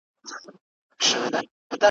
د پاولیو د پایلو شرنګ به نه وي `